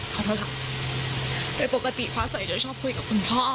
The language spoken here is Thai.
ขอโทษค่ะโดยปกติฟ้าใสจะชอบคุยกับคุณพ่อ